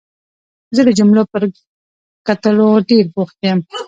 زه د جملو پر کټلو ډېر بوخت وم.